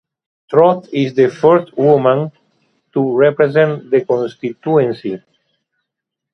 Trott is the first woman to represent the constituency.